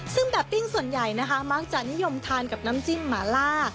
ซึ่งแบบปิ้งส่วนใหญ่นะคะมักจะนิยมทานกับน้ำจิ้มหมาล่า